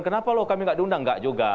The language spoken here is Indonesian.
kenapa loh kami nggak diundang nggak juga